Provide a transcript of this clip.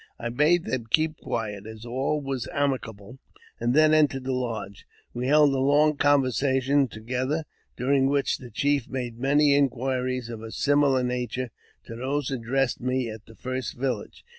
I bade them keep quiet, as all was amicable, and then entered the lodge. We held a long conversation together, during which the chief made many inquiries of a similar nature to those addressed me at the first village.